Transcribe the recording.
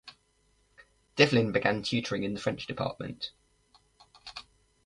Devlin began tutoring in the French department.